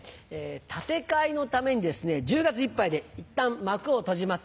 建て替えのためにですね１０月いっぱいでいったん幕を閉じます